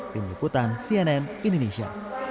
tim liputan cnn indonesia